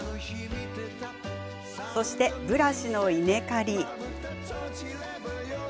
そして、ブラシの稲刈り。